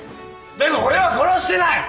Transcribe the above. でも俺は殺してない！